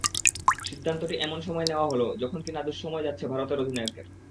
সিদ্ধান্তটি এমন সময় নেওয়া হলো, যখন কিনা দুঃসময় যাচ্ছে ভারতের অধিনায়কের।